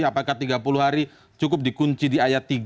apakah tiga puluh hari cukup dikunci di ayat tiga